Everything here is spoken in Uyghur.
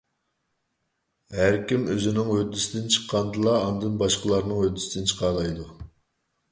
ھەركىم ئۆزىنىڭ ھۆددىسىدىن چىققاندىلا ئاندىن باشقىلارنىڭ ھۆددىسىدىن چىقالايدۇ.